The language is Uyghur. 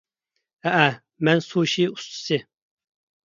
ھەئە ،مەن سۇشى ئۇستىسى.